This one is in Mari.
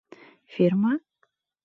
— Фирма?